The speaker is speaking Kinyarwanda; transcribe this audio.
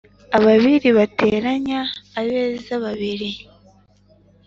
Ababiri bateranya abeza. Babiri